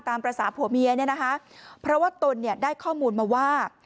ตามประสาทผัวเมียนี่นะคะเพราะว่าตนได้ข้อมูลมาว่า